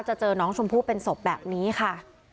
เจอน้องชมพู่เป็นศพแบบนี้ค่ะ